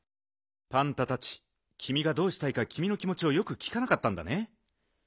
パンタたちきみがどうしたいかきみの気もちをよくきかなかったんだね。